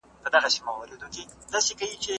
د خوراک اندازه د اړتیا سره برابره کړئ.